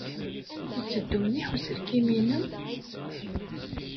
Yetteddu mliḥ uselkim-nnem?